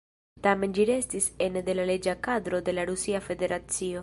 Tamen ĝi restis ene de la leĝa kadro de la Rusia Federacio.